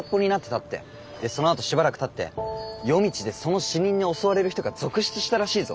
でそのあとしばらくたって夜道でその死人に襲われる人が続出したらしいぞ。